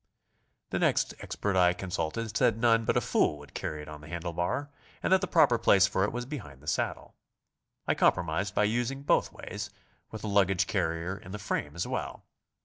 The next expert I consulted said none but a fool would carry it on the handle bar, and that the proper place for it was behind the saddle. I com promised by using both ways, with a luggage carrier in the frame as well.